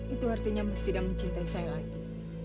itu artinya mesti tidak mencintai saya lagi